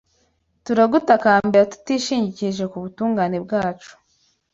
Turagutakambira tutishingikirije ubutungane bwacu